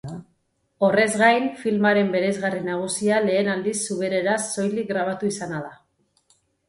Horrez gain, filmaren bereizgarri nagusia lehen aldiz zubereraz soilik grabatu izana da.